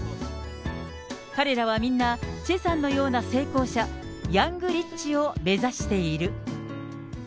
彼らはみんな、チェさんのような成功者、ヤングリッチを目指している。